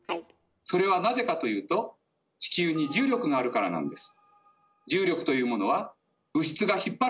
それはなぜかというと地球に重力があるからなんです。